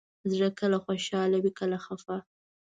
زړه کله خوشحاله وي، کله خفه.